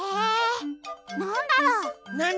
なんだろう？